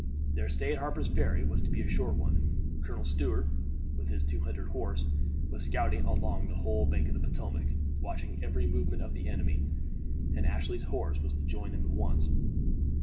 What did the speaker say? Their stay at Harper's Ferry was to be a short one. Colonel Stuart, with his 200 horse, was scouting along the whole bank of the Potomac, watching every movement of the enemy, and Ashley's horse was to join them at once.